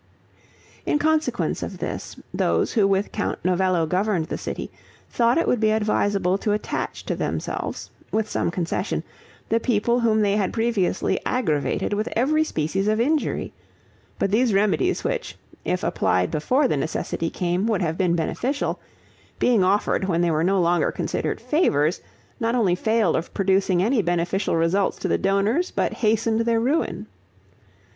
In consequence of this, those who with Count Novello governed the city, thought it would be advisable to attach to themselves, with some concession, the people whom they had previously aggravated with every species of injury; but these remedies which, if applied before the necessity came would have been beneficial, being offered when they were no longer considered favors, not only failed of producing any beneficial results to the donors, but hastened their ruin.